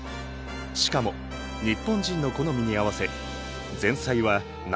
しかも日本人の好みに合わせ前菜は生野菜のサラダ。